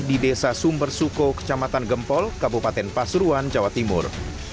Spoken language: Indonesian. di desa sumber suko kecamatan gempol kabupaten pasuruan jawa timur